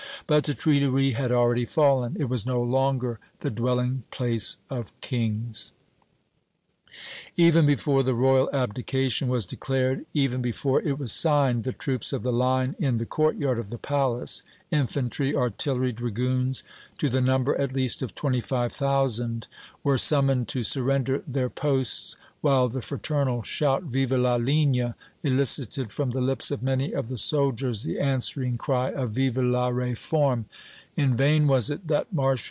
But the Tuileries had already fallen. It was no longer the dwelling place of kings. Even before the Royal abdication was declared, even before it was signed, the troops of the Line in the courtyard of the palace infantry, artillery, dragoons to the number at least of twenty five thousand, were summoned to surrender their posts, while the fraternal shout, "Vive la Ligne!" elicited from the lips of many of the soldiers the answering cry of "Vive la Réforme!"